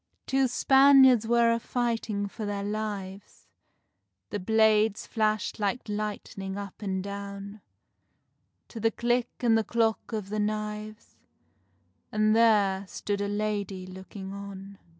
Two Spaniards were a fighting for their lives, The blades flashed like lightning up and down; To the click and the clock of the knives, And there stood a lady looking on.